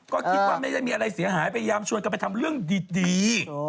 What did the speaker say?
ก็คิดว่าไม่ได้มีอะไรเสียหายพยายามชวนกันไปทำเรื่องดี